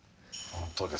本当です。